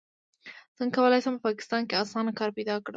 څنګه کولی شم په پاکستان کې اسانه کار پیدا کړم